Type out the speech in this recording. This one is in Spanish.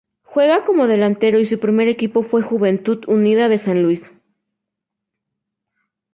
Juega como delantero y su primer equipo fue Juventud Unida de San Luis.